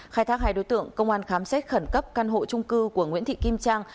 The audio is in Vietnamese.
khai thác hai đối tượng công an khám xét khẩn cấp căn hộ trung cư của nguyễn thị kim trang